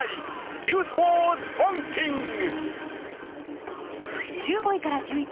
「ニュースワードランキング」。